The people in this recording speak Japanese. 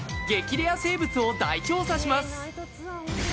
レア生物を大調査します。